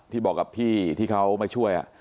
บอกกับพี่ที่เขามาช่วย